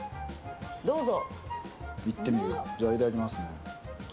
どうぞ。